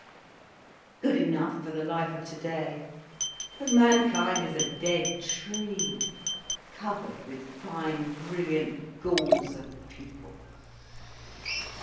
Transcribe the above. "Good enough for the life of today. But mankind is a dead tree, covered with fine brilliant galls of people."